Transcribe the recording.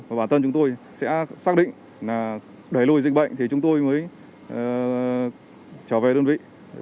và bản thân chúng tôi sẽ xác định là đẩy lùi dịch bệnh thì chúng tôi mới trở về đơn vị